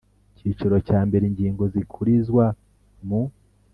Icyiciro cya mbere ingingo zikurizwa mu